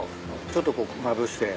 ちょっとこうまぶして。